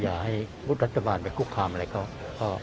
อย่าให้รัฐบาลไปคุกคามอะไรเขา